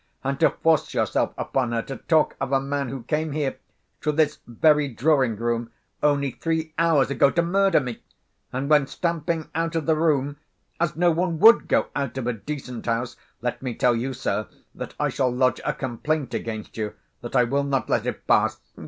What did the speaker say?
And to force yourself upon her to talk of a man who came here, to this very drawing‐room, only three hours ago, to murder me, and went stamping out of the room, as no one would go out of a decent house. Let me tell you, sir, that I shall lodge a complaint against you, that I will not let it pass.